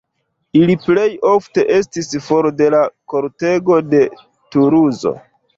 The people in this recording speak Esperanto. Ili plej ofte estis for de la kortego de Tuluzo.